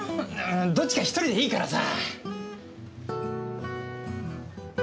どっちか１人でいいからさ。